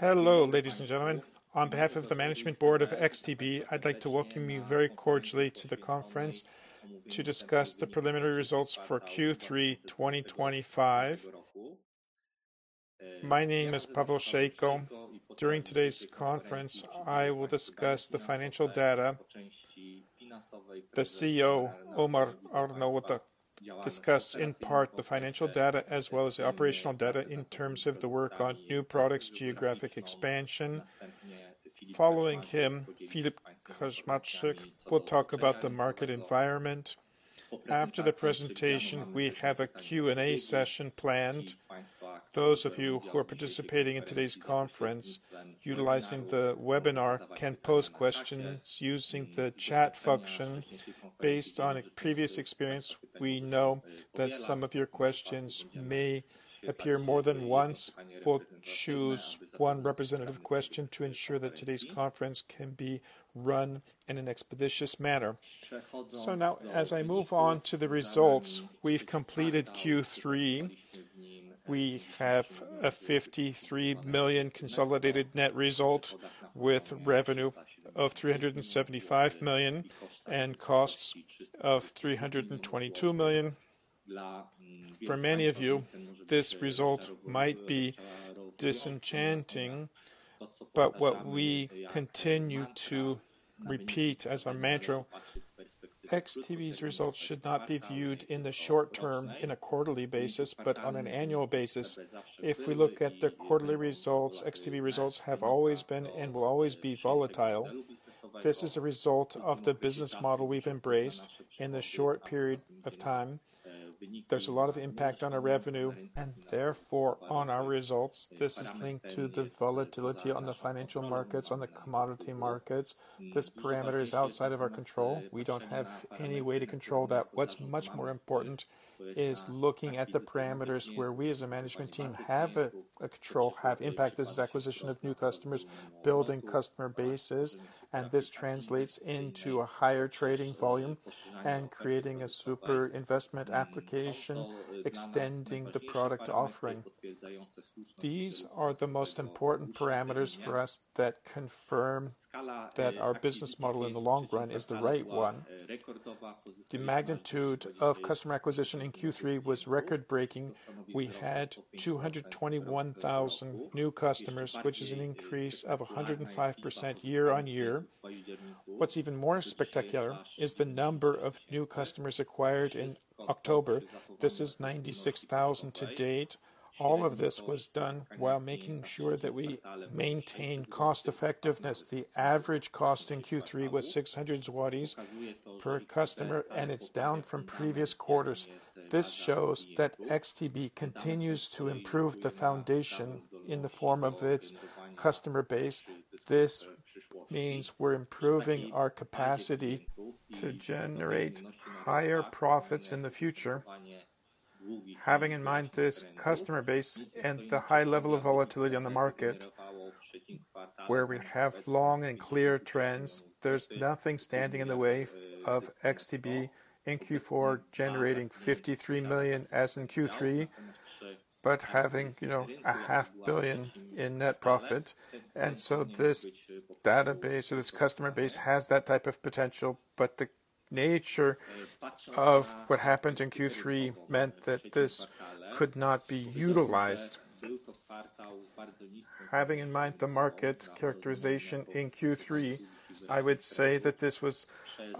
Hello, ladies and gentlemen. On behalf of the management board of XTB, I'd like to welcome you very cordially to the conference to discuss the preliminary results for Q3 2025. My name is Paweł Szejko. During today's conference, I will discuss the financial data. The CEO, Omar Arnaout, will discuss, in part, the financial data as well as the operational data in terms of the work on new products, geographic expansion. Following him, Filip Kaczmarzyk will talk about the market environment. After the presentation, we have a Q&A session planned. Those of you who are participating in today's conference utilizing the webinar can pose questions using the chat function. Based on previous experience, we know that some of your questions may appear more than once. We will choose one representative question to ensure that today's conference can be run in an expeditious manner. As I move on to the results, we have completed Q3. We have a 53 million consolidated net result with revenue of 375 million and costs of 322 million. For many of you, this result might be disenchanting, what we continue to repeat as a mantra, XTB's results should not be viewed in the short term on a quarterly basis, but on an annual basis. If we look at the quarterly results, XTB results have always been and will always be volatile. This is a result of the business model we have embraced in this short period of time. There is a lot of impact on our revenue and therefore on our results. This is linked to the volatility on the financial markets, on the commodity markets. This parameter is outside of our control. We do not have any way to control that. What is much more important is looking at the parameters where we as a management team have a control, have impact. This is acquisition of new customers, building customer bases, and this translates into a higher trading volume and creating a super investment application, extending the product offering. These are the most important parameters for us that confirm that our business model in the long run is the right one. The magnitude of customer acquisition in Q3 was record-breaking. We had 221,000 new customers, which is an increase of 105% year-on-year. What is even more spectacular is the number of new customers acquired in October. This is 96,000 to date. All of this was done while making sure that we maintain cost-effectiveness. The average cost in Q3 was 600 złoty per customer, and it is down from previous quarters. This shows that XTB continues to improve the foundation in the form of its customer base. This means we are improving our capacity to generate higher profits in the future. Having in mind this customer base and the high level of volatility on the market, where we have long and clear trends, there is nothing standing in the way of XTB in Q4 generating 53 million as in Q3, but having a half billion in net profit. This database or this customer base has that type of potential, but the nature of what happened in Q3 meant that this could not be utilized. Having in mind the market characterization in Q3, I would say that this was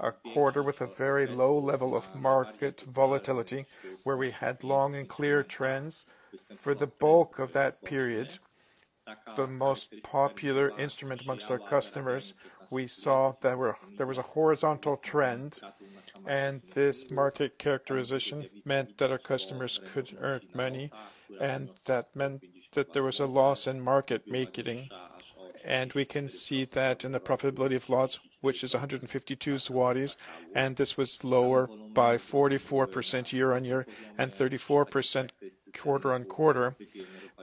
a quarter with a very low level of market volatility, where we had long and clear trends. For the bulk of that period, the most popular instrument amongst our customers, we saw there was a horizontal trend, and this market characterization meant that our customers could earn money, and that meant that there was a loss in market-making. We can see that in the profitability of lots, which is 152 zlotys, and this was lower by 44% year-on-year and 34% quarter-on-quarter.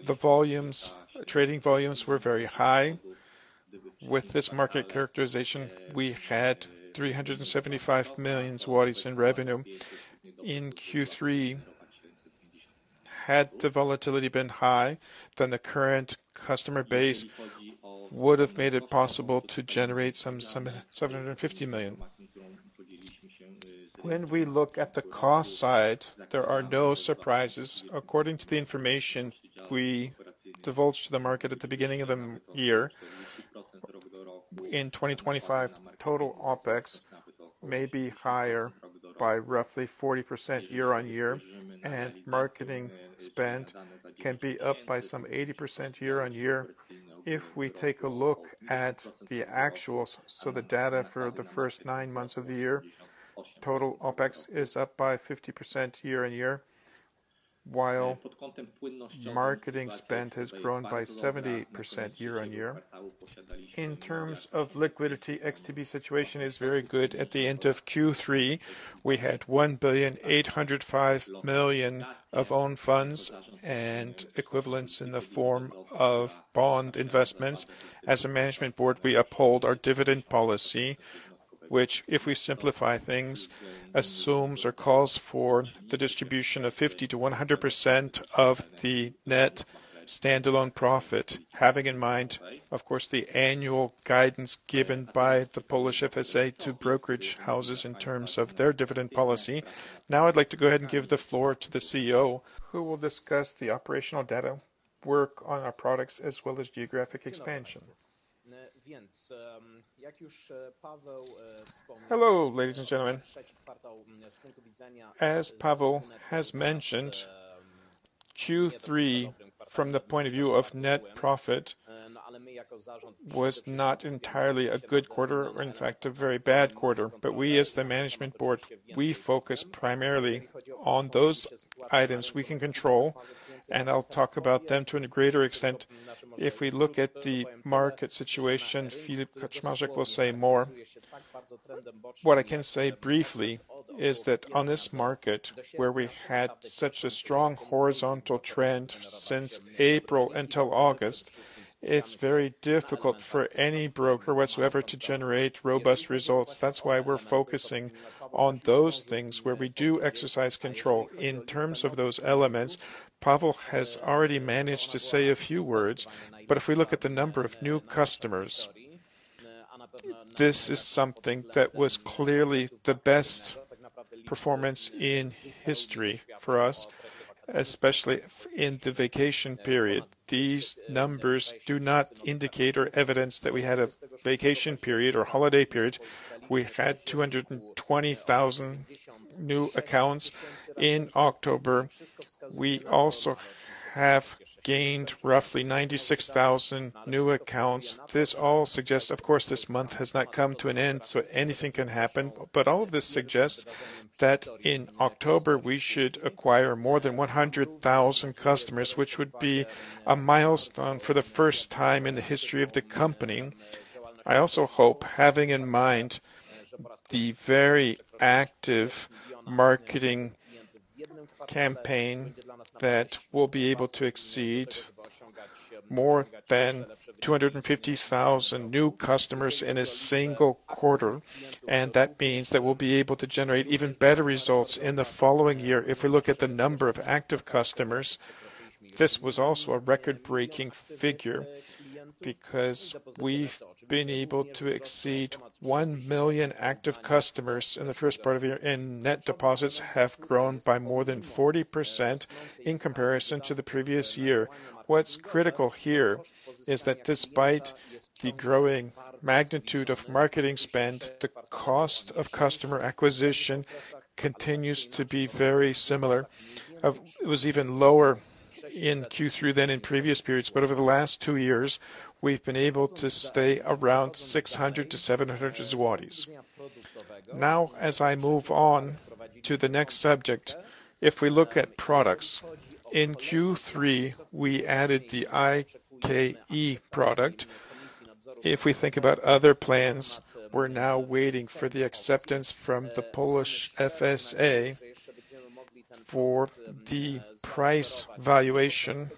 The trading volumes were very high. With this market characterization, we had 375 million zlotys in revenue in Q3. Had the volatility been high, then the current customer base would have made it possible to generate some 750 million. When we look at the cost side, there are no surprises. According to the information we divulged to the market at the beginning of the year, in 2025, total OpEx may be higher by roughly 40% year-on-year, and marketing spend can be up by some 80% year-on-year. If we take a look at the actuals, so the data for the first nine months of the year, total OpEx is up by 50% year-on-year, while marketing spend has grown by 78% year-on-year. In terms of liquidity, XTB's situation is very good. At the end of Q3, we had 1 billion, 805 million of own funds and equivalents in the form of bond investments. As a management board, we uphold our dividend policy. Which, if we simplify things, assumes or calls for the distribution of 50%-100% of the net standalone profit, having in mind, of course, the annual guidance given by the Polish FSA to brokerage houses in terms of their dividend policy. Now I'd like to go ahead and give the floor to the CEO, who will discuss the operational data, work on our products, as well as geographic expansion. Hello, ladies and gentlemen. As Paweł has mentioned, Q3, from the point of view of net profit, was not entirely a good quarter or in fact a very bad quarter. We as the management board, we focus primarily on those items we can control, and I'll talk about them to a greater extent. If we look at the market situation, Filip Kaczmarzyk will say more. What I can say briefly is that on this market, where we've had such a strong horizontal trend since April until August, it's very difficult for any broker whatsoever to generate robust results. That's why we're focusing on those things where we do exercise control. In terms of those elements, Paweł has already managed to say a few words. If we look at the number of new customers, this is something that was clearly the best performance in history for us, especially in the vacation period. These numbers do not indicate or evidence that we had a vacation period or holiday period. We had 220,000 new accounts in October. We also have gained roughly 96,000 new accounts. Of course, this month has not come to an end, so anything can happen, but all of this suggests that in October we should acquire more than 100,000 customers, which would be a milestone for the first time in the history of the company. I also hope, having in mind the very active marketing campaign, that we'll be able to exceed more than 250,000 new customers in a single quarter, and that means that we'll be able to generate even better results in the following year. If we look at the number of active customers, this was also a record-breaking figure because we've been able to exceed 1 million active customers in the first part of the year, and net deposits have grown by more than 40% in comparison to the previous year. What's critical here is that despite the growing magnitude of marketing spend, the cost of customer acquisition continues to be very similar. It was even lower in Q3 than in previous periods, but over the last 2 years, we've been able to stay around 600 to 700 zlotys. As I move on to the next subject, if we look at products, in Q3, we added the IKE product. If we think about other plans, we're now waiting for the acceptance from the Polish FSA for the price valuation.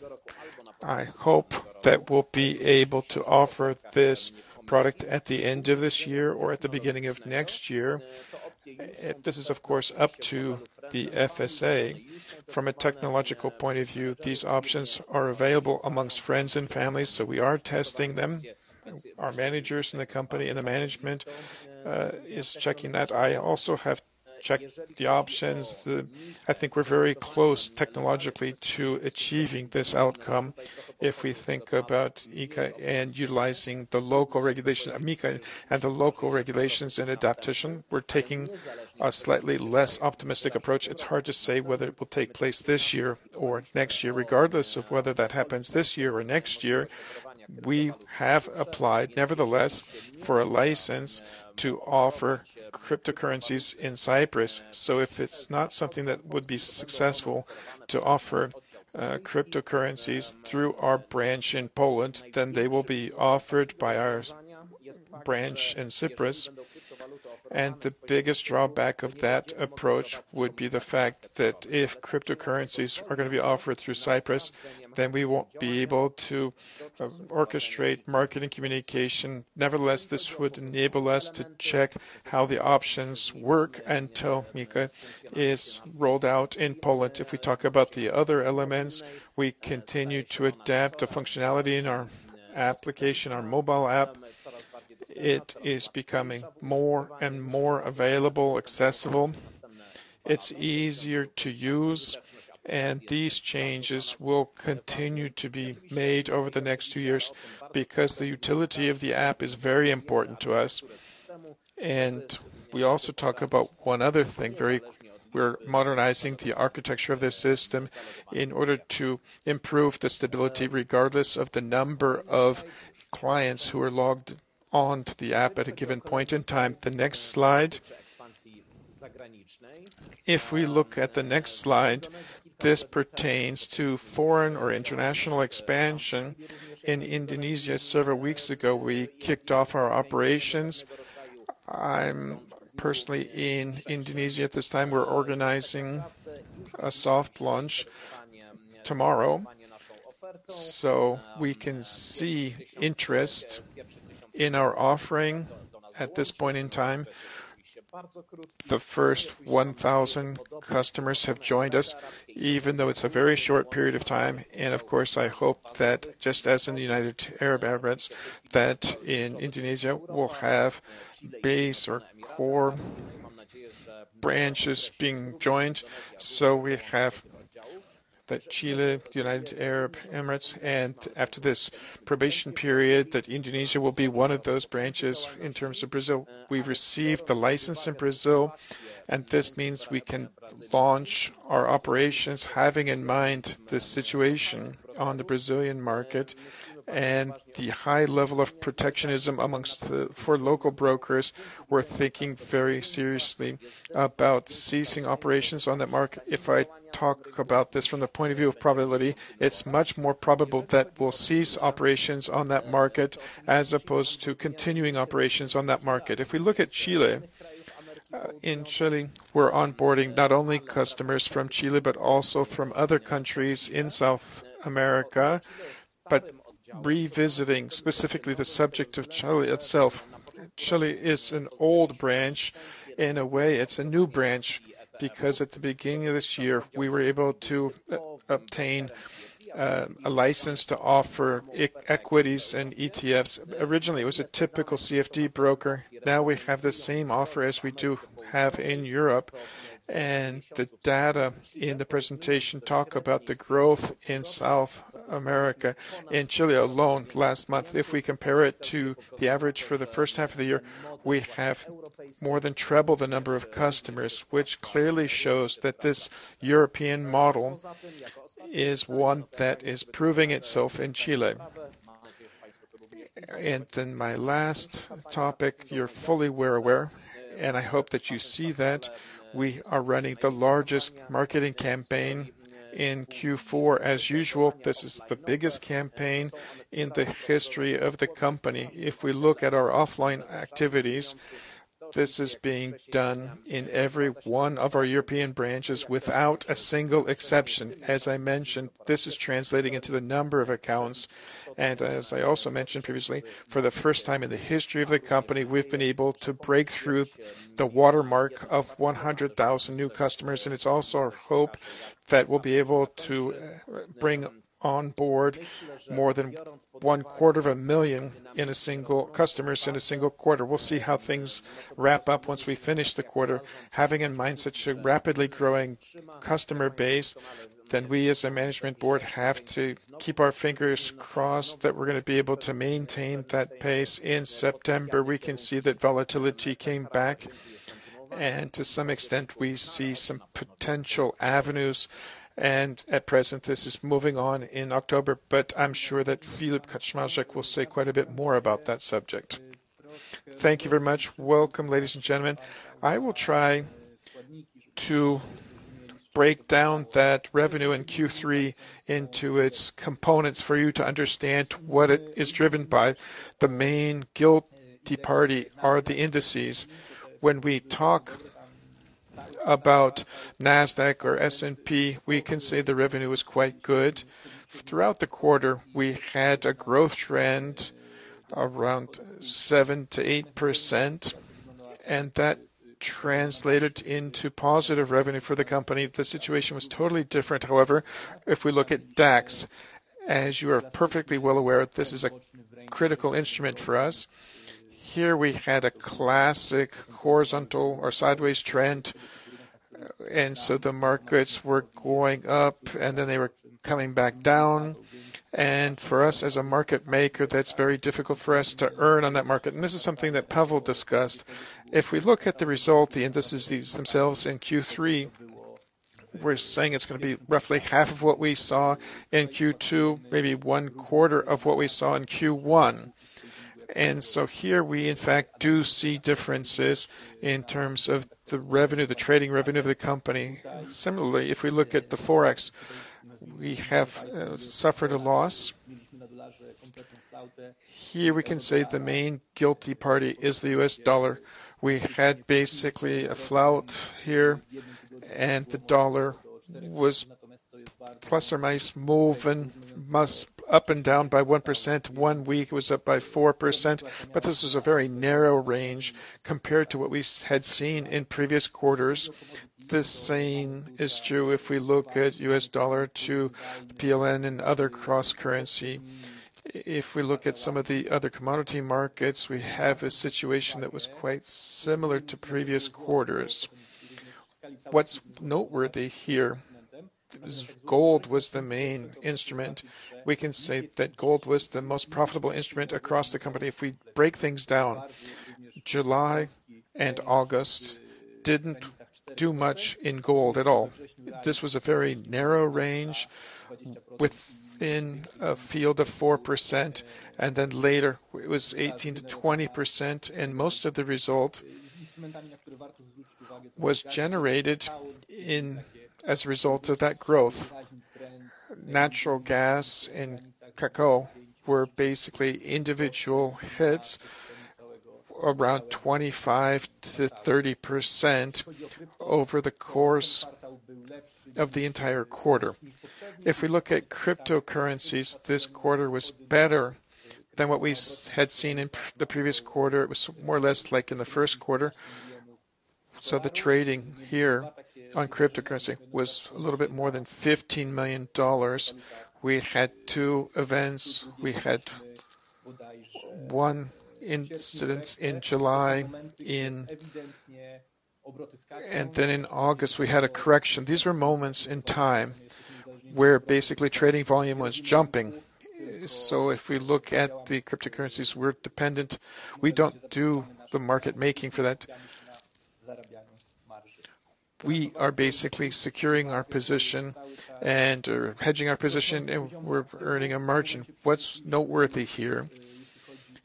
I hope that we'll be able to offer this product at the end of this year or at the beginning of next year. This is, of course, up to the FSA. From a technological point of view, these options are available amongst friends and families, so we are testing them. Our managers in the company and the management is checking that. I also have checked the options. I think we're very close technologically to achieving this outcome. If we think about IKE and the local regulations and adaptation, we're taking a slightly less optimistic approach. It's hard to say whether it will take place this year or next year. Regardless of whether that happens this year or next year, we have applied, nevertheless, for a license to offer cryptocurrencies in Cyprus. If it's not something that would be successful to offer cryptocurrencies through our branch in Poland, then they will be offered by our branch in Cyprus. The biggest drawback of that approach would be the fact that if cryptocurrencies are going to be offered through Cyprus, then we won't be able to orchestrate marketing communication. Nevertheless, this would enable us to check how the options work until IKE is rolled out in Poland. If we talk about the other elements, we continue to adapt the functionality in our application, our mobile app. It is becoming more and more available, accessible. It's easier to use, and these changes will continue to be made over the next 2 years because the utility of the app is very important to us. We also talk about one other thing. We're modernizing the architecture of this system in order to improve the stability regardless of the number of clients who are logged onto the app at a given point in time. The next slide. If we look at the next slide, this pertains to foreign or international expansion. In Indonesia, several weeks ago, we kicked off our operations. I'm personally in Indonesia at this time. We're organizing a soft launch tomorrow so we can see interest in our offering at this point in time. The first 1,000 customers have joined us, even though it's a very short period of time. Of course, I hope that just as in the United Arab Emirates, that in Indonesia we'll have base or core branches being joined. We have Chile, United Arab Emirates, and after this probation period, that Indonesia will be one of those branches. In terms of Brazil, we've received the license in Brazil, and this means we can launch our operations. Having in mind the situation on the Brazilian market and the high level of protectionism for local brokers, we're thinking very seriously about ceasing operations on that market. If I talk about this from the point of view of probability, it's much more probable that we'll cease operations on that market as opposed to continuing operations on that market. We look at Chile. In Chile, we're onboarding not only customers from Chile, but also from other countries in South America. Revisiting specifically the subject of Chile itself, Chile is an old branch. In a way, it's a new branch because, at the beginning of this year, we were able to obtain a license to offer equities and ETFs. Originally, it was a typical CFD broker. Now we have the same offer as we do have in Europe, and the data in the presentation talk about the growth in South America, in Chile alone last month. If we compare it to the average for the first half of the year, we have more than treble the number of customers, which clearly shows that this European model is one that is proving itself in Chile. My last topic, you're fully well aware, I hope that you see that we are running the largest marketing campaign in Q4. Usual, this is the biggest campaign in the history of the company. We look at our offline activities, this is being done in every one of our European branches without a single exception. As I mentioned, this is translating into the number of accounts. As I also mentioned previously, for the first time in the history of the company, we've been able to break through the watermark of 100,000 new customers. It's also our hope that we'll be able to bring on board more than one-quarter of a million customers in a single quarter. We'll see how things wrap up once we finish the quarter. Having in mind such a rapidly growing customer base, we, as a management board, have to keep our fingers crossed that we're going to be able to maintain that pace. In September, we can see that volatility came back. To some extent, we see some potential avenues. At present, this is moving on in October, I'm sure that Filip Kaczmarzyk will say quite a bit more about that subject. Thank you very much. Welcome, ladies and gentlemen. I will try to break down that revenue in Q3 into its components for you to understand what it is driven by. The main guilty party are the indices. When we talk about Nasdaq or S&P, we can say the revenue is quite good. Throughout the quarter, we had a growth trend around 7%-8%, and that translated into positive revenue for the company. The situation was totally different, however, if we look at DAX. As you are perfectly well aware, this is a critical instrument for us. Here we had a classic horizontal or sideways trend, the markets were going up, then they were coming back down. For us as a market-maker, that's very difficult for us to earn on that market. This is something that Paweł discussed. If we look at the result, the indices themselves in Q3, we're saying it's going to be roughly half of what we saw in Q2, maybe one-quarter of what we saw in Q1. Here we, in fact, do see differences in terms of the revenue, the trading revenue of the company. Similarly, if we look at the Forex, we have suffered a loss. Here we can say the main guilty party is the US dollar. We had basically a float here, the dollar was plus or minus moving up and down by 1%. One week it was up by 4%, this was a very narrow range compared to what we had seen in previous quarters. The same is true if we look at US dollar to PLN and other cross-currency. If we look at some of the other commodity markets, we have a situation that was quite similar to previous quarters. What's noteworthy here is gold was the main instrument. We can say that gold was the most profitable instrument across the company. If we break things down, July and August didn't do much in gold at all. This was a very narrow range within a field of 4%, later it was 18%-20%, most of the result was generated as a result of that growth. Natural gas and cocoa were basically individual hits. Around 25%-30% over the course of the entire quarter. If we look at cryptocurrencies, this quarter was better than what we had seen in the previous quarter. It was more or less like in the first quarter. The trading here on cryptocurrency was a little bit more than PLN 15 million. We had two events. We had one incident in July and then in August, we had a correction. These were moments in time where basically trading volume was jumping. If we look at the cryptocurrencies, we're dependent. We don't do the market-making for that. We are basically securing our position and/or hedging our position, and we're earning a margin. What's noteworthy here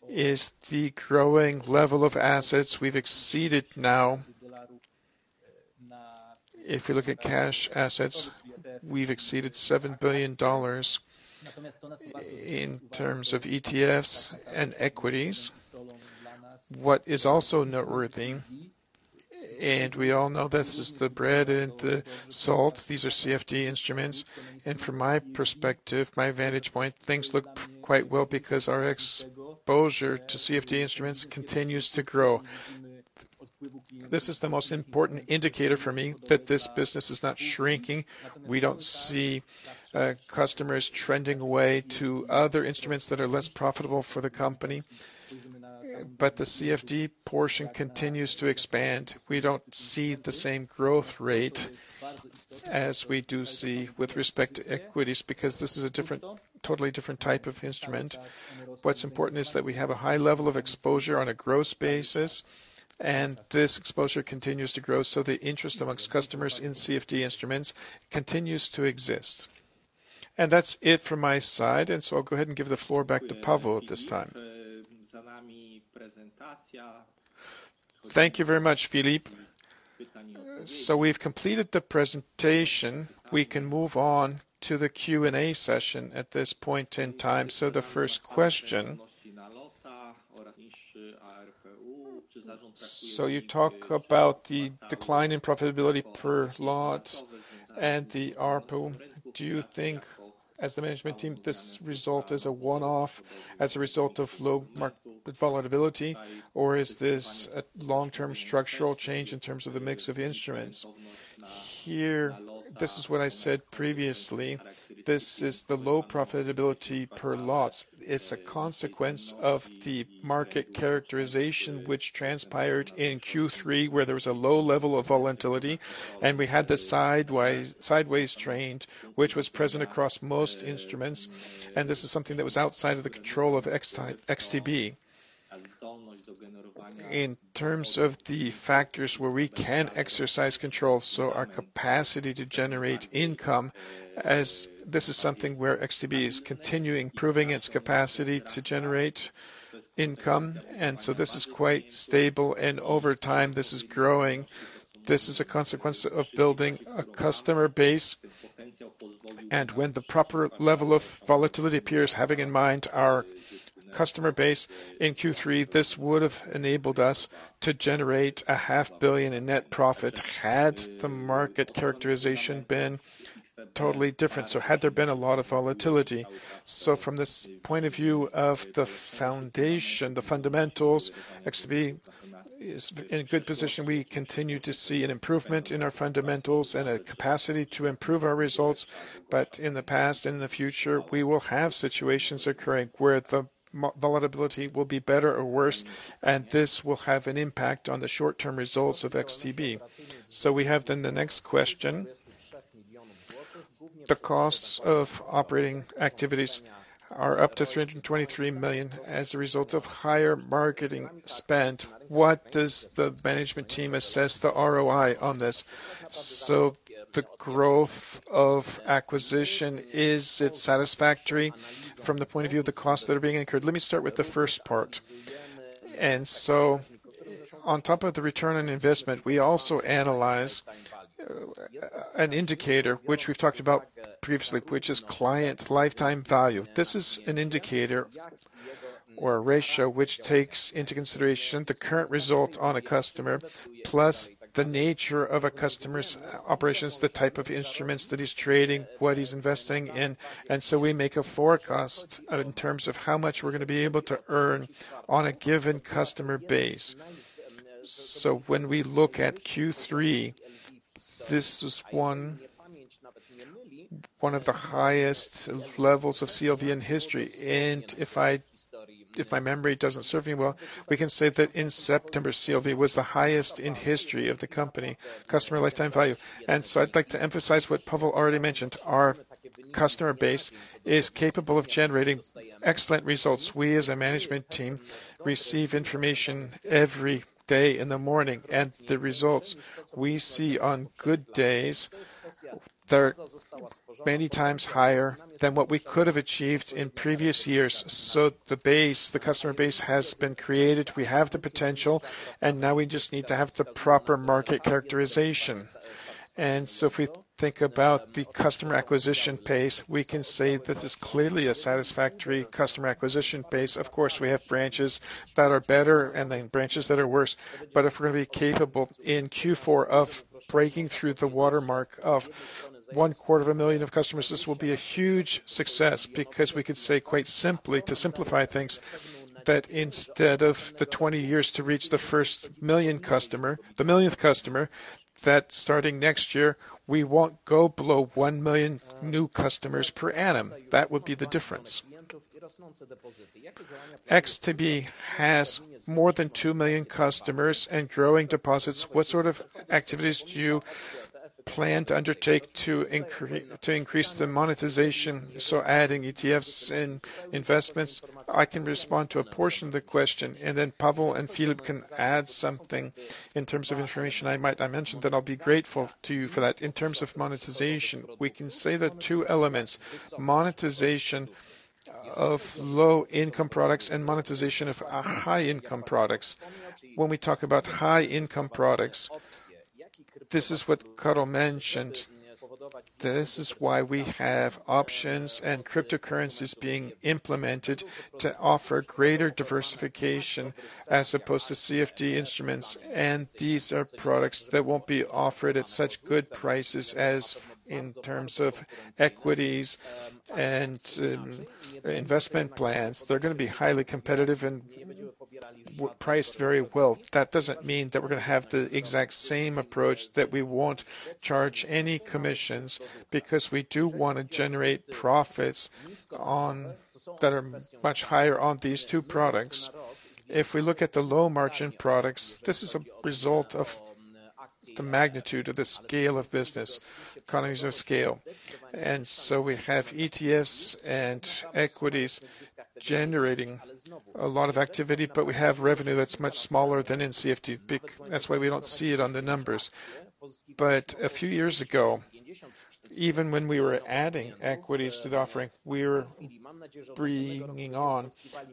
is the growing level of assets we've exceeded now. If you look at cash assets, we've exceeded $7 billion in terms of ETFs and equities. What is also noteworthy, and we all know this, is the bread and the salt. These are CFD instruments, from my perspective, my vantage point, things look quite well because our exposure to CFD instruments continues to grow. This is the most important indicator for me that this business is not shrinking. We don't see customers trending away to other instruments that are less profitable for the company. The CFD portion continues to expand. We don't see the same growth rate as we do see with respect to equities, this is a totally different type of instrument. What's important is that we have a high level of exposure on a gross basis, this exposure continues to grow. The interest amongst customers in CFD instruments continues to exist. That's it from my side. I'll go ahead and give the floor back to Paweł at this time. Thank you very much, Filip. We've completed the presentation. We can move on to the Q&A session at this point in time. The first question. You talk about the decline in profitability per lot and the ARPU. Do you think, as the management team, this result is a one-off as a result of low market volatility, or is this a long-term structural change in terms of the mix of instruments? This is what I said previously. This is the low profitability per lot. It's a consequence of the market characterization, which transpired in Q3, where there was a low level of volatility, and we had this sideways trend, which was present across most instruments. This is something that was outside of the control of XTB. In terms of the factors where we can exercise control, our capacity to generate income, this is something where XTB is continuing proving its capacity to generate income. This is quite stable and over time, this is growing. This is a consequence of building a customer base. When the proper level of volatility appears, having in mind our customer base in Q3, this would have enabled us to generate a half billion in net profit had the market characterization been totally different. Had there been a lot of volatility. From this point of view of the fundamentals, XTB is in a good position. We continue to see an improvement in our fundamentals and a capacity to improve our results. In the past and in the future, we will have situations occurring where the volatility will be better or worse, and this will have an impact on the short-term results of XTB. We have the next question. The costs of operating activities are up to 323 million as a result of higher marketing spend. What does the management team assess the ROI on this? The growth of acquisition, is it satisfactory from the point of view of the costs that are being incurred? Let me start with the first part. On top of the return on investment, we also analyze an indicator, which we've talked about previously, which is client lifetime value. This is an indicator or a ratio, which takes into consideration the current result on a customer, plus the nature of a customer's operations, the type of instruments that he's trading, what he's investing in. We make a forecast in terms of how much we're going to be able to earn on a given customer base. When we look at Q3, this was one of the highest levels of CLV in history. If my memory doesn't serve me well, we can say that in September, CLV was the highest in history of the company, customer lifetime value. I'd like to emphasize what Paweł already mentioned. Our customer base is capable of generating excellent results. We, as a management team, receive information every day in the morning, the results we see on good days, they're many times higher than what we could have achieved in previous years. The customer base has been created. We have the potential, and now we just need to have the proper market characterization. If we think about the customer acquisition pace, we can say this is clearly a satisfactory customer acquisition pace. Of course, we have branches that are better and then branches that are worse. If we're going to be capable in Q4 of breaking through the watermark of one quarter of a million of customers, this will be a huge success because we could say quite simply, to simplify things, that instead of the 20 years to reach the millionth customer, that starting next year, we won't go below 1 million new customers per annum. That would be the difference. XTB has more than 2 million customers and growing deposits. What sort of activities do you plan to undertake to increase the monetization, so adding ETFs and investments. I can respond to a portion of the question, and then Paweł and Filip can add something in terms of information I might not mention, then I'll be grateful to you for that. In terms of monetization, we can say there are two elements, monetization of low-income products and monetization of high-income products. When we talk about high-income products, this is what Karol mentioned. This is why we have options and cryptocurrencies being implemented to offer greater diversification as opposed to CFD instruments. These are products that won't be offered at such good prices as in terms of equities and Investment Plans. They're going to be highly competitive and priced very well. That doesn't mean that we're going to have the exact same approach that we won't charge any commissions, because we do want to generate profits that are much higher on these two products. If we look at the low-margin products, this is a result of the magnitude of the scale of business, economies of scale. We have ETFs and equities generating a lot of activity, but we have revenue that's much smaller than in CFD. That's why we don't see it on the numbers. A few years ago, even when we were adding equities to the offering, we were bringing on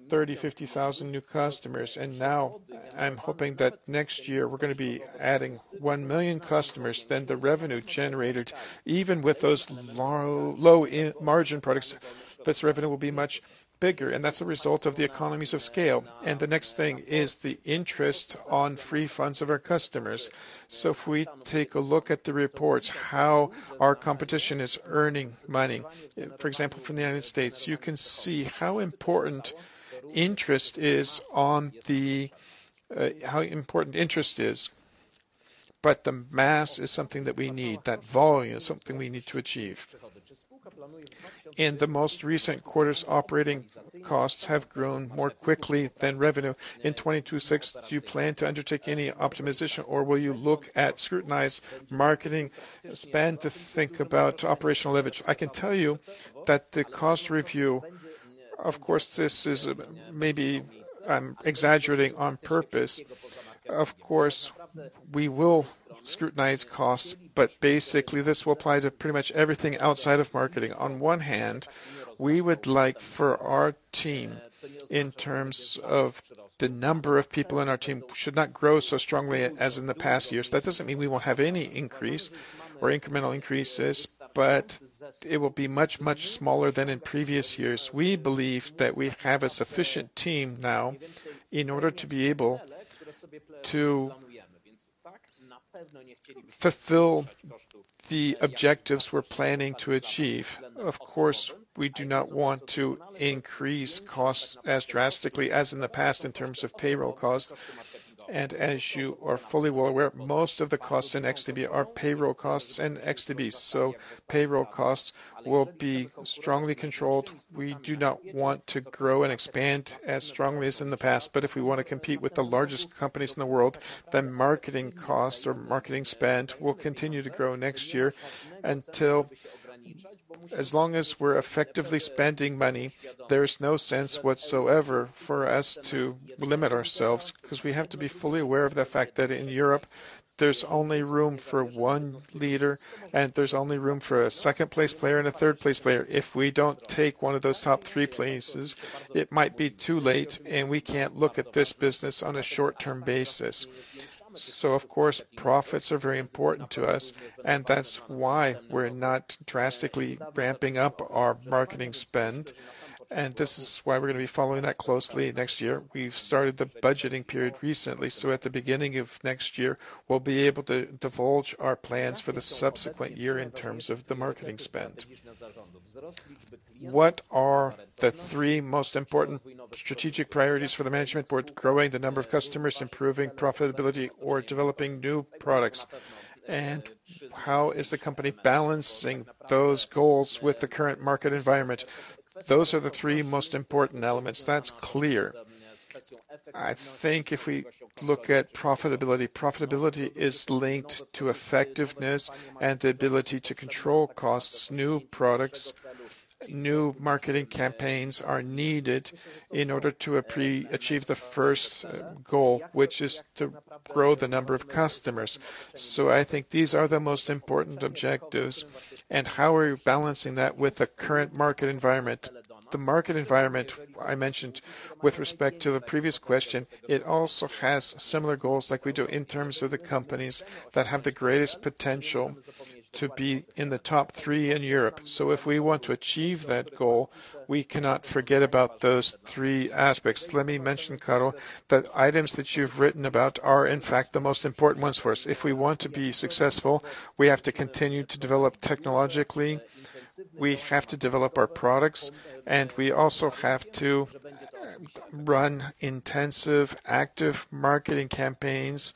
30,000, 50,000 new customers. Now I'm hoping that next year we're going to be adding 1 million customers. The revenue generated, even with those low-margin products, this revenue will be much bigger, and that's a result of the economies of scale. The next thing is the interest on free funds of our customers. If we take a look at the reports, how our competition is earning money, for example, from the U.S., you can see how important interest is. The mass is something that we need. That volume is something we need to achieve. In the most recent quarters, operating costs have grown more quickly than revenue. In 2026, do you plan to undertake any optimization, or will you scrutinize marketing spend to think about operational leverage? I can tell you that the cost review, of course, this is maybe I'm exaggerating on purpose. Of course, we will scrutinize costs, but basically, this will apply to pretty much everything outside of marketing. On one hand, we would like for our team in terms of the number of people in our team should not grow so strongly as in the past years. That doesn't mean we won't have any increase or incremental increases, but it will be much, much smaller than in previous years. We believe that we have a sufficient team now in order to be able to fulfill the objectives we're planning to achieve. Of course, we do not want to increase costs as drastically as in the past in terms of payroll costs. As you are fully well aware, most of the costs in XTB are payroll costs. Payroll costs will be strongly controlled. We do not want to grow and expand as strongly as in the past, if we want to compete with the largest companies in the world, then marketing cost or marketing spend will continue to grow next year until, as long as we're effectively spending money, there's no sense whatsoever for us to limit ourselves, because we have to be fully aware of the fact that in Europe, there's only room for one leader, and there's only room for a second-place player and a third-place player. If we don't take one of those top three places, it might be too late, and we can't look at this business on a short-term basis. Of course, profits are very important to us, and that's why we're not drastically ramping up our marketing spend. This is why we're going to be following that closely next year. We've started the budgeting period recently, so at the beginning of next year, we'll be able to divulge our plans for the subsequent year in terms of the marketing spend. What are the three most important strategic priorities for the management board, growing the number of customers, improving profitability, or developing new products? How is the company balancing those goals with the current market environment? Those are the three most important elements. That's clear. I think if we look at profitability is linked to effectiveness and the ability to control costs. New products, new marketing campaigns are needed in order to achieve the first goal, which is to grow the number of customers. I think these are the most important objectives. How are you balancing that with the current market environment? The market environment I mentioned with respect to the previous question, it also has similar goals like we do in terms of the companies that have the greatest potential to be in the top three in Europe. If we want to achieve that goal, we cannot forget about those three aspects. Let me mention, Karol, that items that you've written about are, in fact, the most important ones for us. If we want to be successful, we have to continue to develop technologically. We have to develop our products, and we also have to run intensive active marketing campaigns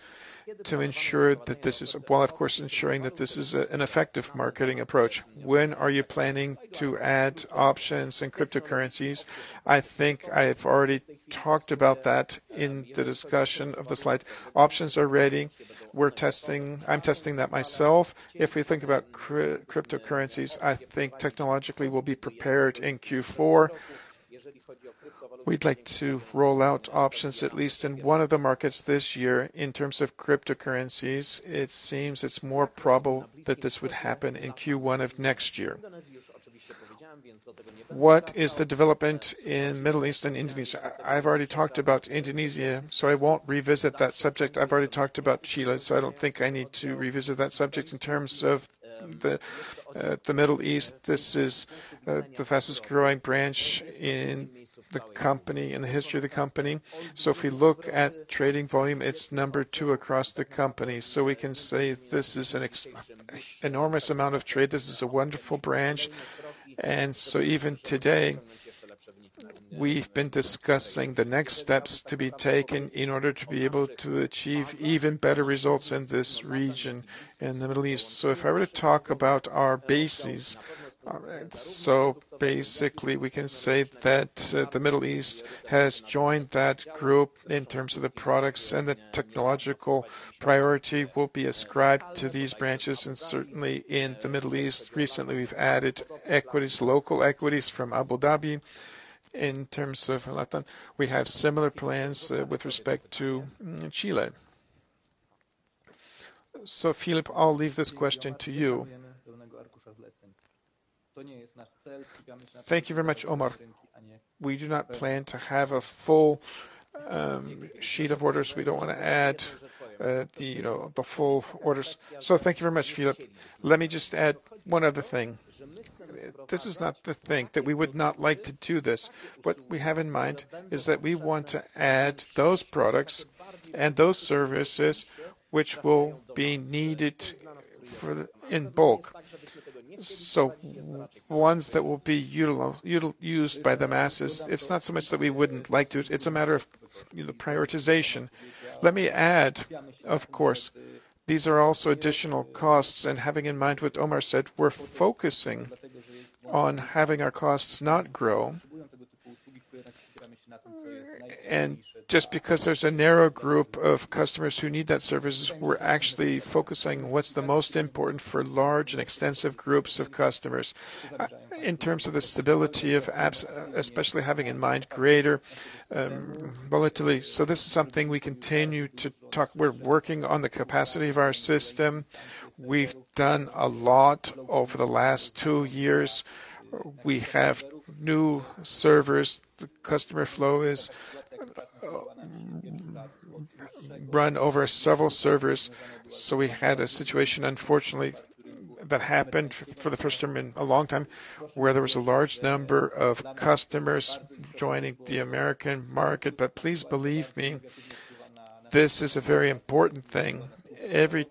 to ensure that this is Well, of course, ensuring that this is an effective marketing approach. When are you planning to add options and cryptocurrencies? I think I've already talked about that in the discussion of the slide. Options are ready. I'm testing that myself. If we think about cryptocurrencies, I think technologically we'll be prepared in Q4. We'd like to roll out options at least in one of the markets this year. In terms of cryptocurrencies, it seems it's more probable that this would happen in Q1 of next year. What is the development in Middle East and Indonesia? I've already talked about Indonesia, so I won't revisit that subject. I've already talked about Chile, so I don't think I need to revisit that subject. In terms of the Middle East, this is the fastest-growing branch in the history of the company. If we look at trading volume, it's number two across the company. We can say this is an enormous amount of trade. This is a wonderful branch. Even today, we've been discussing the next steps to be taken in order to be able to achieve even better results in this region, in the Middle East. If I were to talk about our bases, we can say that the Middle East has joined that group in terms of the products and the technological priority will be ascribed to these branches, and certainly in the Middle East. Recently, we've added equities, local equities from Abu Dhabi. In terms of LATAM, we have similar plans with respect to Chile. Filip, I'll leave this question to you. Thank you very much, Omar. We do not plan to have a full sheet of orders. We don't want to add the full orders. Thank you very much, Filip. Let me just add one other thing. This is not the thing that we would not like to do this. What we have in mind is that we want to add those products and those services which will be needed in bulk. Ones that will be used by the masses. It's not so much that we wouldn't like to. It's a matter of prioritization. Let me add, of course, these are also additional costs, and having in mind what Omar said, we're focusing on having our costs not grow. Just because there's a narrow group of customers who need that service, we're actually focusing what's the most important for large and extensive groups of customers. In terms of the stability of apps, especially having in mind greater volatility. This is something we continue to talk. We're working on the capacity of our system. We've done a lot over the last two years. We have new servers. The customer flow is run over several servers. We had a situation, unfortunately, that happened for the first time in a long time, where there was a large number of customers joining the American market. Please believe me, this is a very important thing. Every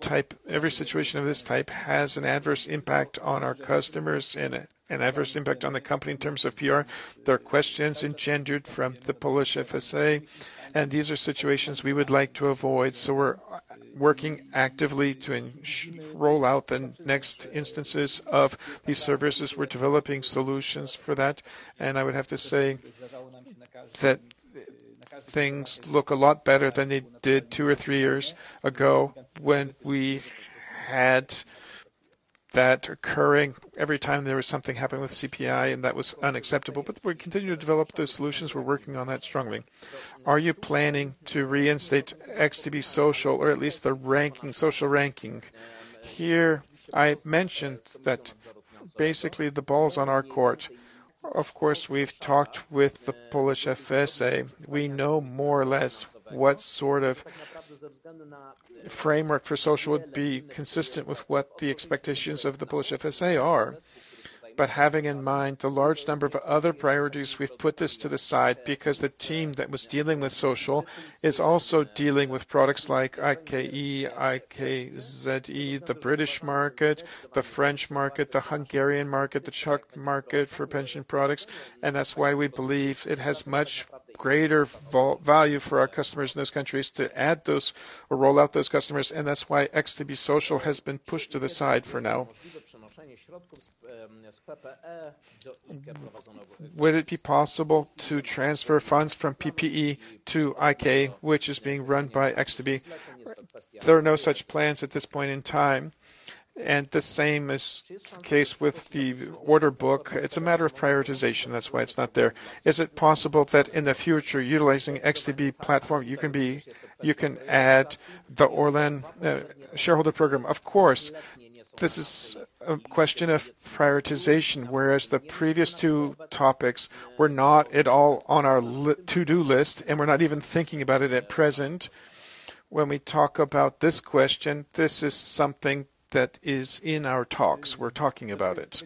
situation of this type has an adverse impact on our customers and an adverse impact on the company in terms of PR. There are questions engendered from the Polish FSA. These are situations we would like to avoid. We're working actively to roll out the next instances of these services. We're developing solutions for that. I would have to say that things look a lot better than they did two or three years ago when we had that occurring every time there was something happening with CPI, and that was unacceptable. We continue to develop those solutions. We're working on that strongly. Are you planning to reinstate XTB Social, or at least the social ranking? Here, I mentioned that basically the ball's on our court. We've talked with the Polish FSA. We know more or less what sort of framework for Social would be consistent with what the expectations of the Polish FSA are. Having in mind the large number of other priorities, we've put this to the side because the team that was dealing with Social is also dealing with products like IKE, IKZE, the British market, the French market, the Hungarian market, the Czech market for pension products. That's why we believe it has much greater value for our customers in those countries to add those or roll out those customers, and that's why XTB Social has been pushed to the side for now. Would it be possible to transfer funds from PPE to IKE, which is being run by XTB? There are no such plans at this point in time, and the same is case with the order book. It's a matter of prioritization. That's why it's not there. Is it possible that in the future, utilizing XTB platform, you can add the Orlen shareholder program? Of course. This is a question of prioritization, whereas the previous two topics were not at all on our to-do list. We're not even thinking about it at present. When we talk about this question, this is something that is in our talks. We're talking about it.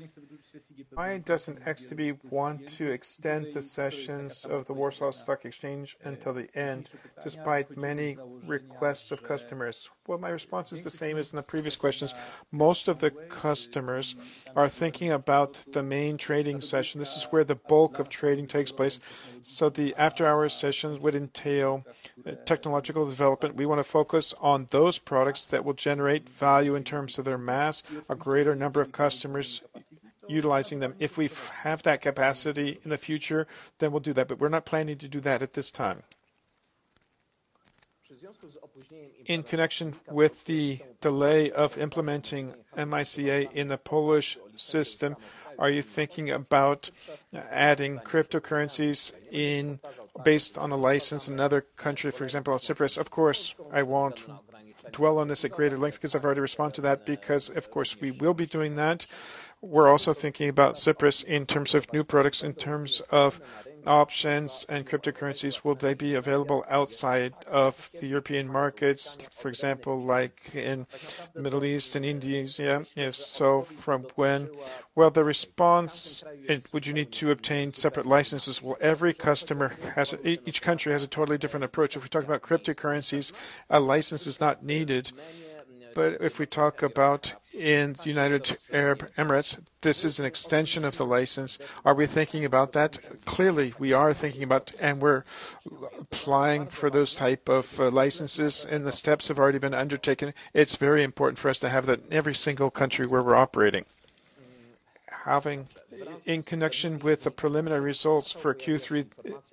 Why doesn't XTB want to extend the sessions of the Warsaw Stock Exchange until the end, despite many requests of customers? My response is the same as in the previous questions. Most of the customers are thinking about the main trading session. This is where the bulk of trading takes place. The after-hours sessions would entail technological development. We want to focus on those products that will generate value in terms of their mass, a greater number of customers utilizing them. If we have that capacity in the future, we'll do that. We're not planning to do that at this time. In connection with the delay of implementing MiCA in the Polish system, are you thinking about adding cryptocurrencies based on a license in another country, for example, Cyprus? Of course, I won't dwell on this at greater length because I've already responded to that, because of course we will be doing that. We're also thinking about Cyprus in terms of new products, in terms of options and cryptocurrencies. Will they be available outside of the European markets, for example, like in Middle East and India? If so, from when? The response. Would you need to obtain separate licenses? Each country has a totally different approach. If we're talking about cryptocurrencies, a license is not needed. If we talk about in United Arab Emirates, this is an extension of the license. Are we thinking about that? Clearly, we are thinking about, and we're applying for those type of licenses, and the steps have already been undertaken. It's very important for us to have that in every single country where we're operating. In connection with the preliminary results for Q3,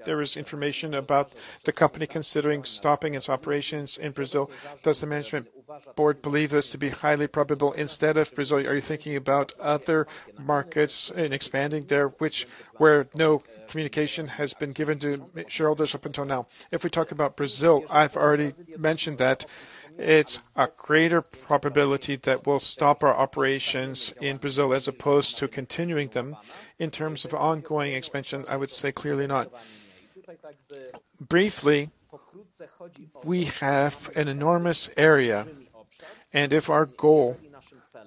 there is information about the company considering stopping its operations in Brazil. Does the management board believe this to be highly probable? Instead of Brazil, are you thinking about other markets and expanding there, where no communication has been given to shareholders up until now? If we talk about Brazil, I've already mentioned that it's a greater probability that we'll stop our operations in Brazil as opposed to continuing them. In terms of ongoing expansion, I would say clearly not. If our goal,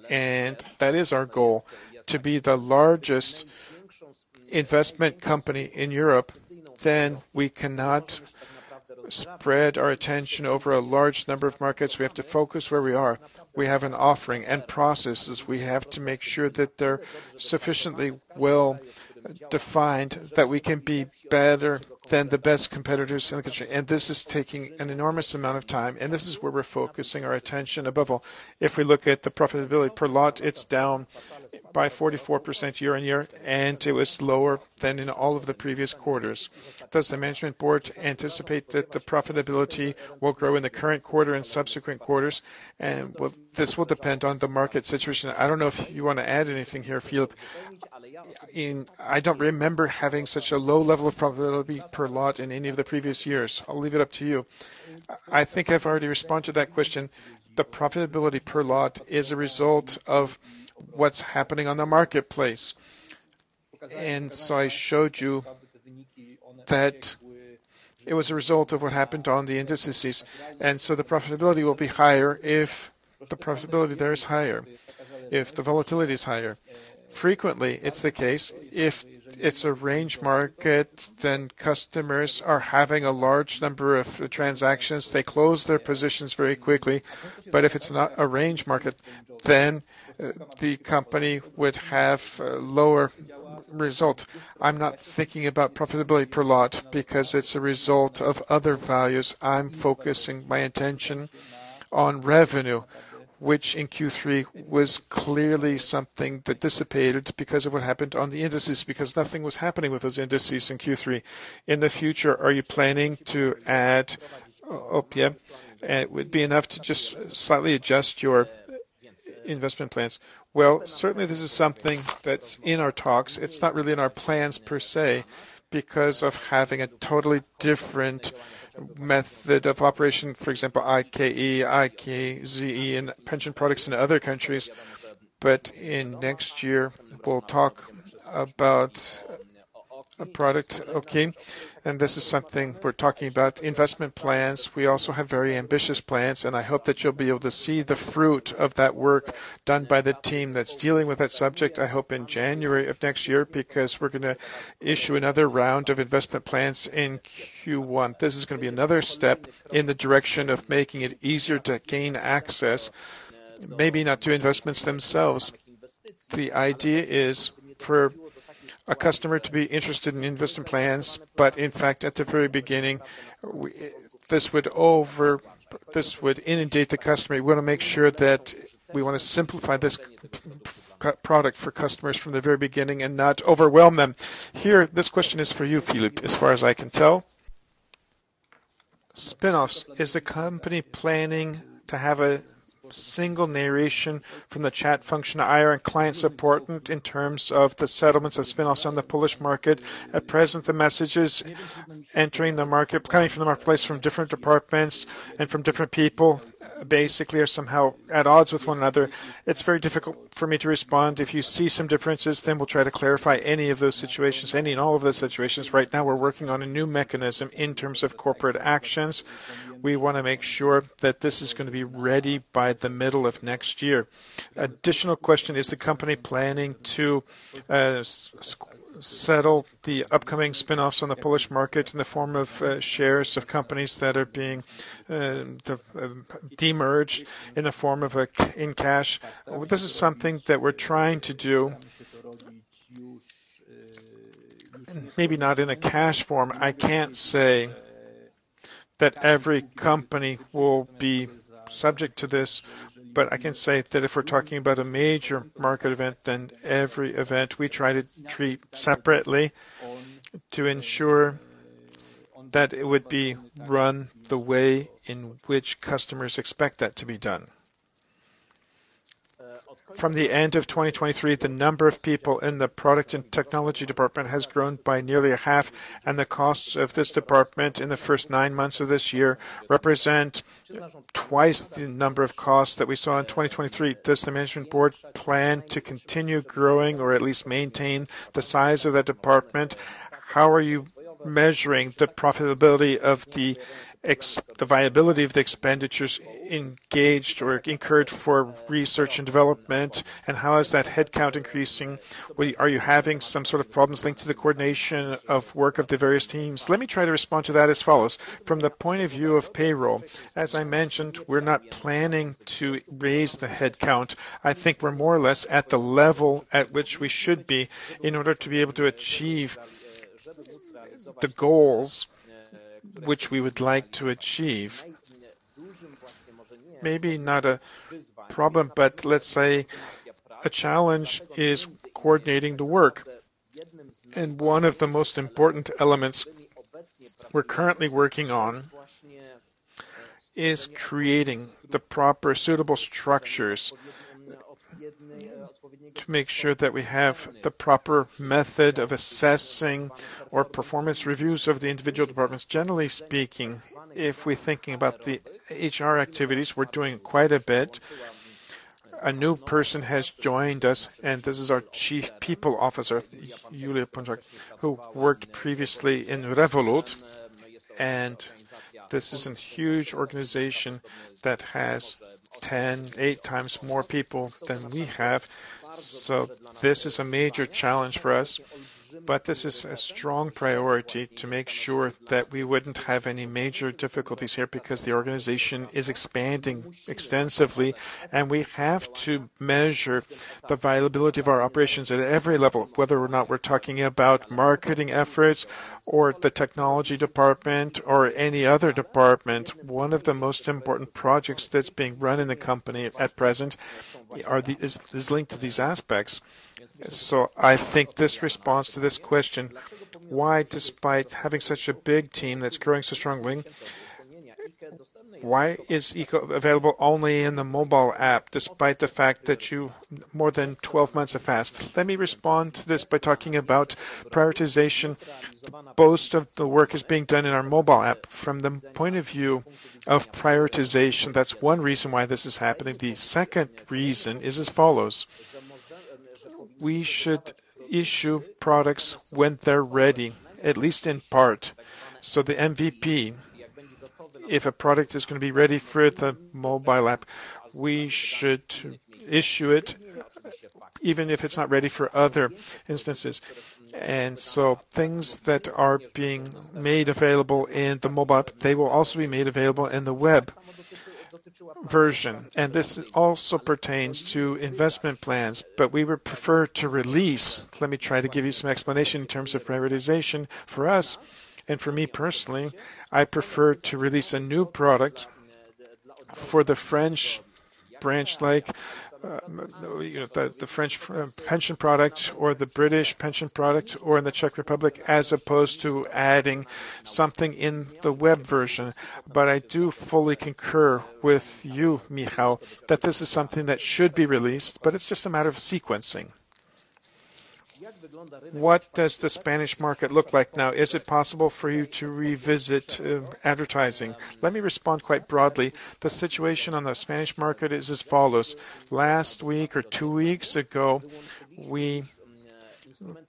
and that is our goal, to be the largest investment company in Europe, then we cannot spread our attention over a large number of markets. We have to focus where we are. We have an offering and processes. We have to make sure that they're sufficiently well-defined that we can be better than the best competitors in the country. This is taking an enormous amount of time, and this is where we're focusing our attention above all. If we look at the profitability per lot, it's down by 44% year-over-year. It was lower than in all of the previous quarters. Does the management board anticipate that the profitability will grow in the current quarter and subsequent quarters? Well, this will depend on the market situation. I don't know if you want to add anything here, Filip. I don't remember having such a low level of profitability per lot in any of the previous years. I'll leave it up to you. I think I've already responded to that question. The profitability per lot is a result of what's happening on the marketplace. I showed you that it was a result of what happened on the indices. The profitability will be higher if the profitability there is higher, if the volatility is higher. Frequently, it's the case, if it's a range market, then customers are having a large number of transactions. They close their positions very quickly. If it's not a range market, then the company would have a lower result. I'm not thinking about profitability per lot because it's a result of other values. I'm focusing my attention on revenue, which in Q3 was clearly something that dissipated because of what happened on the indices, because nothing was happening with those indices in Q3. In the future, are you planning to add OMI? Would it be enough to just slightly adjust your Investment Plans? Well, certainly this is something that's in our talks. It's not really in our plans per se because of having a totally different method of operation. For example, IKE, IKZE, and pension products in other countries. In next year, we'll talk about a product, OKE, and this is something we're talking about. Investment Plans, we also have very ambitious plans. I hope that you'll be able to see the fruit of that work done by the team that's dealing with that subject, I hope in January of next year, because we're going to issue another round of Investment Plans in Q1. This is going to be another step in the direction of making it easier to gain access, maybe not to investments themselves. The idea is for a customer to be interested in Investment Plans. In fact, at the very beginning, this would inundate the customer. We want to make sure that we want to simplify this product for customers from the very beginning and not overwhelm them. Here, this question is for you, Filip, as far as I can tell. Spin-offs. Is the company planning to have a single narration from the chat function in client support in terms of the settlements of spin-offs on the Polish market? At present, the messages coming from the marketplace from different departments and from different people, basically are somehow at odds with one another. It's very difficult for me to respond. If you see some differences, we'll try to clarify any of those situations, any and all of those situations. Right now, we're working on a new mechanism in terms of corporate actions. We want to make sure that this is going to be ready by the middle of next year. Additional question, is the company planning to settle the upcoming spin-offs on the Polish market in the form of shares of companies that are being de-merged in the form of cash? This is something that we're trying to do. Maybe not in a cash form, I can't say that every company will be subject to this. I can say that if we're talking about a major market event, every event we try to treat separately to ensure that it would be run the way in which customers expect that to be done. From the end of 2023, the number of people in the product and technology department has grown by nearly a half, and the costs of this department in the first nine months of this year represent twice the number of costs that we saw in 2023. Does the management board plan to continue growing or at least maintain the size of that department? How are you measuring the profitability of the viability of the expenditures engaged or incurred for research and development, and how is that headcount increasing? Are you having some sort of problems linked to the coordination of work of the various teams? Let me try to respond to that as follows. From the point of view of payroll, as I mentioned, we're not planning to raise the headcount. I think we're more or less at the level at which we should be in order to be able to achieve the goals which we would like to achieve. Maybe not a problem, but let's say a challenge is coordinating the work, and one of the most important elements we're currently working on is creating the proper suitable structures to make sure that we have the proper method of assessing or performance reviews of the individual departments. Generally speaking, if we're thinking about the HR activities, we're doing quite a bit. A new person has joined us. This is our Chief People Officer, Julia Pączak, who worked previously in Revolut. This is a huge organization that has eight times more people than we have. This is a major challenge for us, but this is a strong priority to make sure that we wouldn't have any major difficulties here because the organization is expanding extensively and we have to measure the viability of our operations at every level, whether or not we're talking about marketing efforts or the technology department or any other department. One of the most important projects that's being run in the company at present is linked to these aspects. I think this responds to this question. Why, despite having such a big team that's growing so strongly, why is IKE available only in the mobile app despite the fact that more than 12 months have passed? Let me respond to this by talking about prioritization. Most of the work is being done in our mobile app. From the point of view of prioritization, that's one reason why this is happening. The second reason is as follows. We should issue products when they're ready, at least in part. The MVP, if a product is going to be ready for the mobile app, we should issue it even if it's not ready for other instances. Things that are being made available in the mobile app, they will also be made available in the web version, and this also pertains to Investment Plans. Let me try to give you some explanation in terms of prioritization. For us and for me personally, I prefer to release a new product for the French branch, like the French pension product or the British pension product or in the Czech Republic, as opposed to adding something in the web version. I do fully concur with you, Michal, that this is something that should be released, but it's just a matter of sequencing. What does the Spanish market look like now? Is it possible for you to revisit advertising? Let me respond quite broadly. The situation on the Spanish market is as follows. Last week or 2 weeks ago, we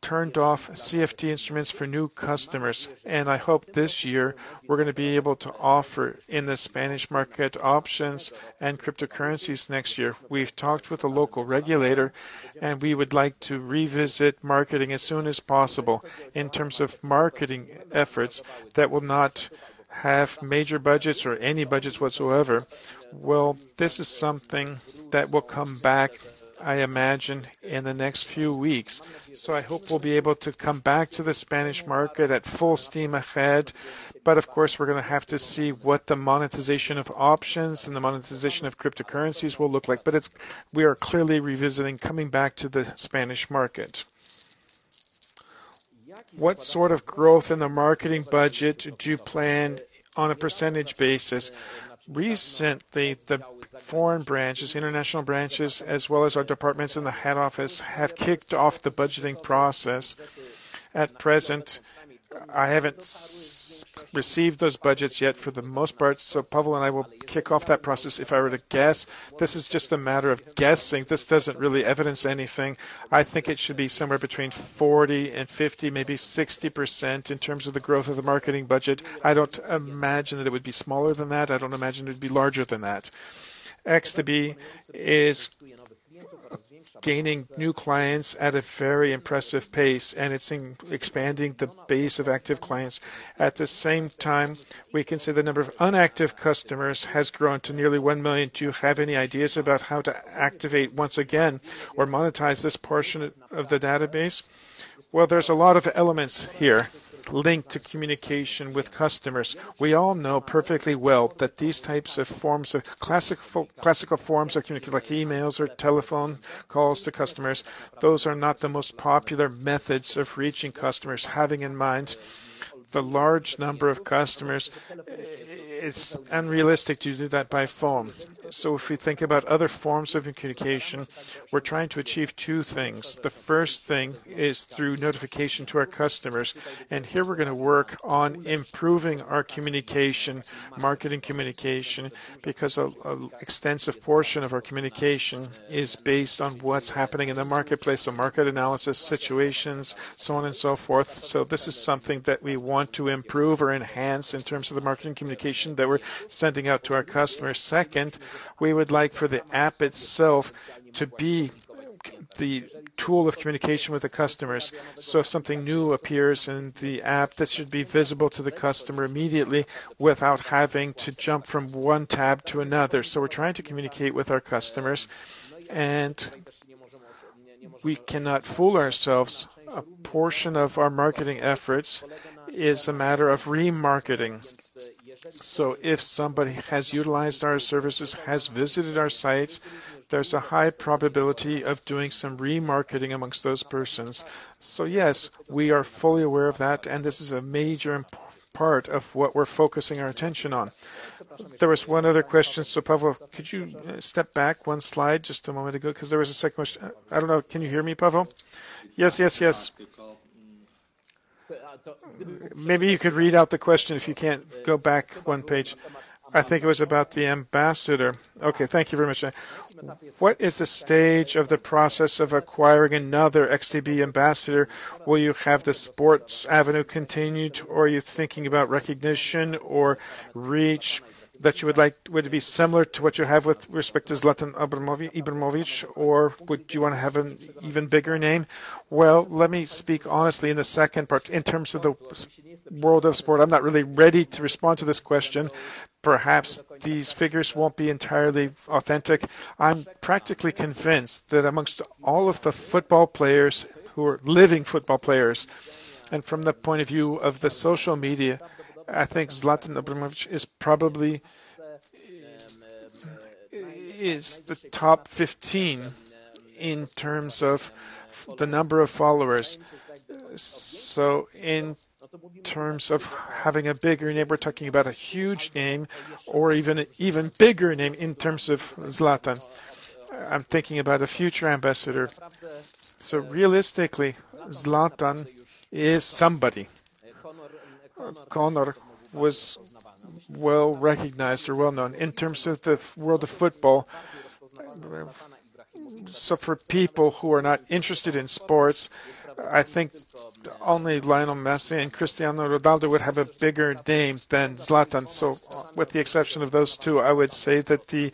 turned off CFD instruments for new customers, and I hope this year we're going to be able to offer in the Spanish market options and cryptocurrencies next year. We've talked with the local regulator, and we would like to revisit marketing as soon as possible in terms of marketing efforts that will not have major budgets or any budgets whatsoever. This is something that will come back, I imagine, in the next few weeks. I hope we'll be able to come back to the Spanish market at full steam ahead. Of course, we're going to have to see what the monetization of options and the monetization of cryptocurrencies will look like. We are clearly revisiting coming back to the Spanish market. What sort of growth in the marketing budget do you plan on a percentage basis? Recently, the foreign branches, international branches, as well as our departments in the head office, have kicked off the budgeting process. At present, I haven't received those budgets yet for the most part, so Paweł and I will kick off that process. If I were to guess, this is just a matter of guessing. This doesn't really evidence anything. I think it should be somewhere between 40% and 50%, maybe 60% in terms of the growth of the marketing budget. I don't imagine that it would be smaller than that. I don't imagine it would be larger than that. XTB is gaining new clients at a very impressive pace, and it's expanding the base of active clients. At the same time, we can see the number of unactive customers has grown to nearly 1 million. Do you have any ideas about how to activate once again or monetize this portion of the database? Well, there's a lot of elements here linked to communication with customers. We all know perfectly well that these types of forms, classical forms of communication like emails or telephone calls to customers, those are not the most popular methods of reaching customers. Having in mind the large number of customers, it's unrealistic to do that by phone. If we think about other forms of communication, we're trying to achieve two things. The first thing is through notification to our customers, and here we're going to work on improving our communication, marketing communication, because extensive portion of our communication is based on what's happening in the marketplace, market analysis situations, and so on and so forth. This is something that we want to improve or enhance in terms of the marketing communication that we're sending out to our customers. Second, we would like for the app itself to be the tool of communication with the customers. If something new appears in the app, this should be visible to the customer immediately without having to jump from one tab to another. We're trying to communicate with our customers, and we cannot fool ourselves. A portion of our marketing efforts is a matter of remarketing. If somebody has utilized our services, has visited our sites, there's a high probability of doing some remarketing amongst those persons. Yes, we are fully aware of that, and this is a major part of what we're focusing our attention on. There was one other question. Paweł, could you step back one slide just a moment ago because there was a second question. I don't know. Can you hear me, Paweł? Yes. Maybe you could read out the question if you can't go back one page. I think it was about the ambassador. Okay, thank you very much. What is the stage of the process of acquiring another XTB ambassador? Will you have the sports avenue continued, or are you thinking about recognition or reach that you would like? Would it be similar to what you have with respect to Zlatan Ibrahimović, or would you want to have an even bigger name? Well, let me speak honestly in the second part. In terms of the world of sport, I'm not really ready to respond to this question. Perhaps these figures won't be entirely authentic. I'm practically convinced that amongst all of the football players who are living football players and from the point of view of the social media, I think Zlatan Ibrahimović is probably the top 15 in terms of the number of followers. In terms of having a bigger name, we're talking about a huge name or even bigger name in terms of Zlatan. I'm thinking about a future ambassador. Realistically, Zlatan is somebody. Conor was well-recognized or well-known in terms of the world of football. For people who are not interested in sports, I think only Lionel Messi and Cristiano Ronaldo would have a bigger name than Zlatan. With the exception of those two, I would say that the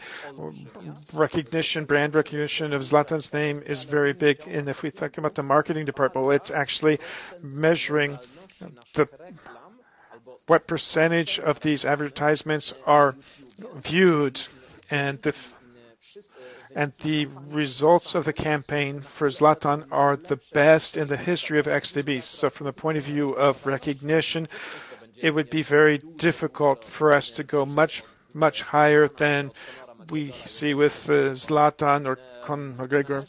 brand recognition of Zlatan's name is very big, and if we talk about the marketing department, it's actually measuring what percentage of these advertisements are viewed and the results of the campaign for Zlatan are the best in the history of XTB. From the point of view of recognition, it would be very difficult for us to go much, much higher than we see with Zlatan or Conor McGregor.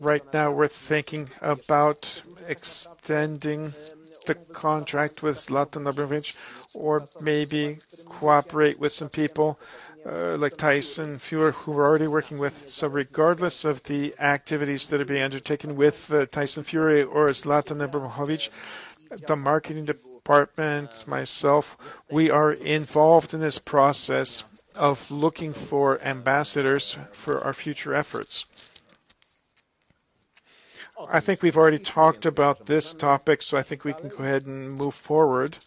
Right now, we're thinking about extending the contract with Zlatan Ibrahimović or maybe cooperate with some people like Tyson Fury, who we're already working with. Regardless of the activities that are being undertaken with Tyson Fury or Zlatan Ibrahimović, the marketing department, myself, we are involved in this process of looking for ambassadors for our future efforts. I think we've already talked about this topic, so I think we can go ahead and move forward.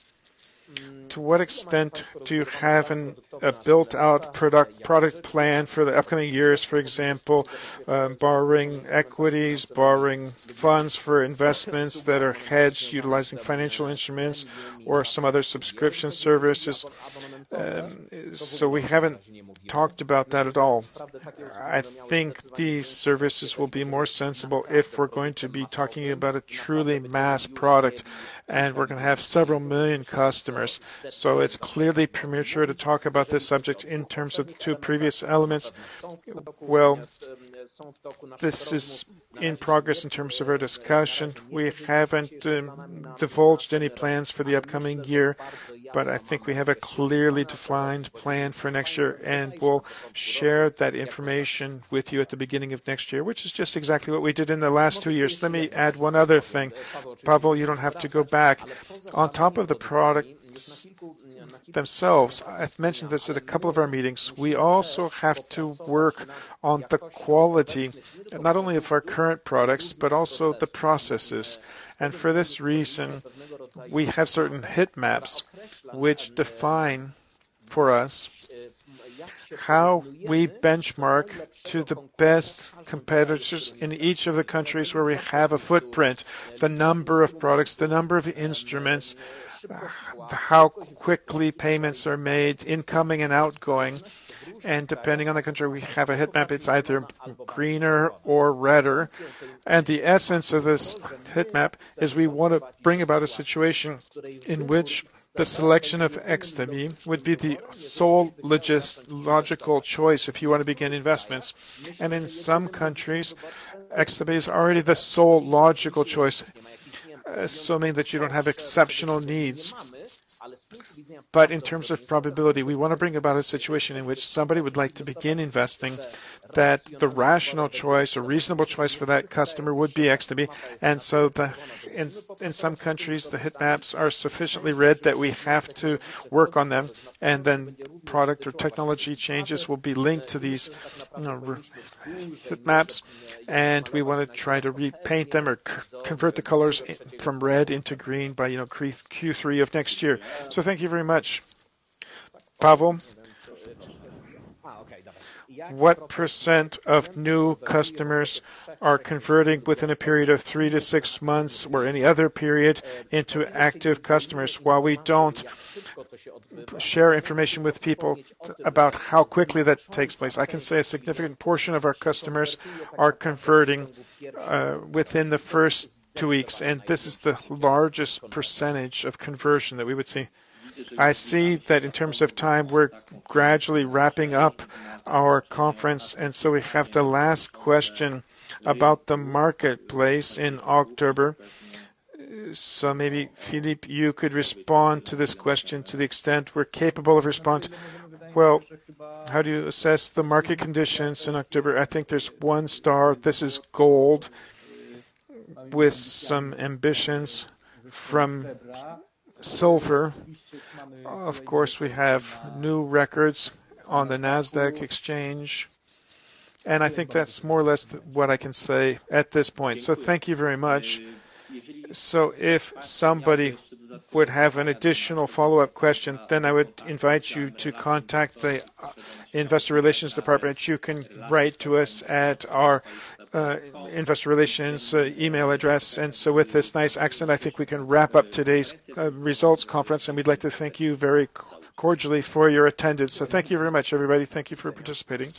To what extent do you have a built-out product plan for the upcoming years, for example, borrowing equities, borrowing funds for investments that are hedged, utilizing financial instruments or some other subscription services? We haven't talked about that at all. It's clearly premature to talk about this subject in terms of the two previous elements. Well, this is in progress in terms of our discussion. We haven't divulged any plans for the upcoming year, but I think we have a clearly defined plan for next year, and we'll share that information with you at the beginning of next year, which is just exactly what we did in the last two years. Let me add one other thing. Paweł, you don't have to go back. On top of the products themselves, I've mentioned this at a couple of our meetings, we also have to work on the quality, not only of our current products, but also the processes. For this reason, we have certain heat maps which define for us, how we benchmark to the best competitors in each of the countries where we have a footprint, the number of products, the number of instruments, how quickly payments are made, incoming and outgoing. Depending on the country, we have a heat map that's either greener or redder. The essence of this heat map is we want to bring about a situation in which the selection of XTB would be the sole logistical choice if you want to begin investments. And in some countries, XTB is already the sole logical choice, assuming that you don't have exceptional needs. In terms of probability, we want to bring about a situation in which somebody would like to begin investing, that the rational choice or reasonable choice for that customer would be XTB. In some countries, the heat maps are sufficiently red that we have to work on them, and then product or technology changes will be linked to these heat maps, and we want to try to repaint them or convert the colors from red into green by Q3 of next year. Thank you very much. Paweł. What % of new customers are converting within a period of 3-6 months or any other period into active customers? While we don't share information with people about how quickly that takes place, I can say a significant portion of our customers are converting within the first two weeks, and this is the largest % of conversion that we would see. I see that in terms of time, we're gradually wrapping up our conference, we have the last question about the marketplace in October. Maybe, Filip, you could respond to this question to the extent we're capable of responding. Well, how do you assess the market conditions in October? I think there's one star. This is gold with some ambitions from silver. Of course, we have new records on the Nasdaq exchange, and I think that's more or less what I can say at this point. Thank you very much. If somebody would have an additional follow-up question, then I would invite you to contact the investor relations department. You can write to us at our investor relations email address. With this nice accent, I think we can wrap up today's results conference, and we'd like to thank you very cordially for your attendance. Thank you very much, everybody. Thank you for participating.